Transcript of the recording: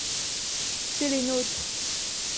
C’est les nôtres.